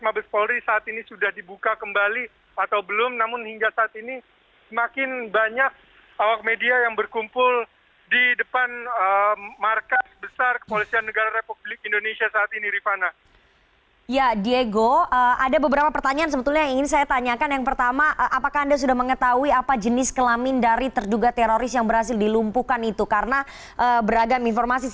memang berdasarkan video yang kami terima oleh pihak wartawan tadi sebelum kami tiba di tempat kejadian ini memang ada seorang terduga teroris yang berhasil masuk ke dalam kompleks